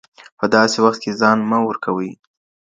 په داسي وخت کي ځان مه ورکوئ.